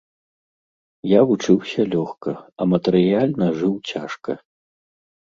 Я вучыўся лёгка, а матэрыяльна жыў цяжка.